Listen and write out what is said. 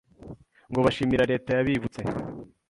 ngo bashimira Leta yabibutse